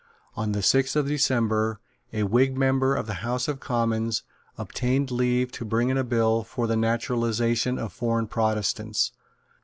On the sixth of December, a Whig member of the House of Commons obtained leave to bring in a bill for the Naturalisation of Foreign Protestants.